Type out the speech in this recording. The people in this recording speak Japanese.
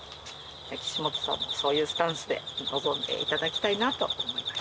岸本さんもそういうスタンスで臨んでいただきたいなと思います。